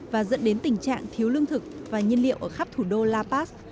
và dẫn đến tình trạng thiếu lương thực và nhiên liệu ở khắp thủ đô la paz